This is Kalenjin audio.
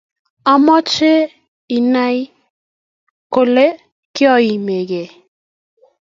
Ameche inai kole kiaimgei